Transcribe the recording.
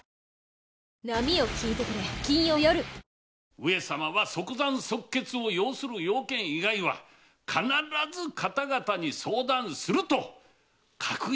上様は即断即決を要する用件以外は必ず方々に相談すると確約されたではないか！